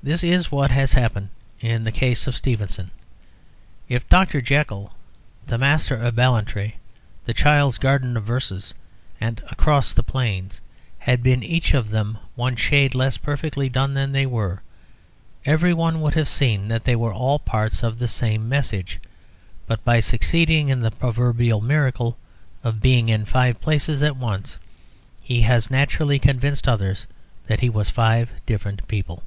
This is what has happened in the case of Stevenson. If "Dr. Jekyll," "The Master of Ballantrae," "The Child's Garden of Verses," and "Across the Plains" had been each of them one shade less perfectly done than they were, everyone would have seen that they were all parts of the same message; but by succeeding in the proverbial miracle of being in five places at once, he has naturally convinced others that he was five different people.